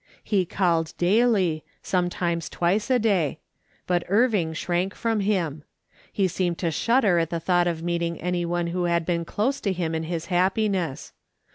He called daily, sometimes twice a day ; but Irving shrank from him. He seemed to shudder at the thought of meeting anyone who had been close to him in his happiness.